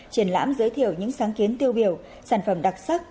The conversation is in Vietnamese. triển lãm giới thiệu những sáng kiến tiêu biểu sản phẩm đặc sắc